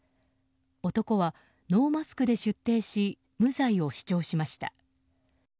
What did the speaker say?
男はノーマスクで出廷し無罪を主張しました。